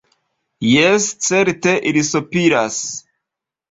Jes, certe ili sopiras.